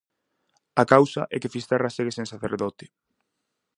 A causa é que Fisterra segue sen sacerdote.